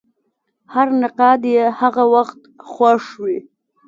هر نقاد یې هغه وخت خوښ وي.